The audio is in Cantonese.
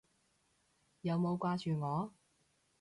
有冇掛住我？